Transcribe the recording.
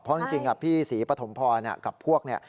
เพราะจริงพี่ศรีปฐมพรกับพวกเนี่ย